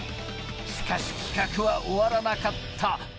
しかし企画は終わらなかった。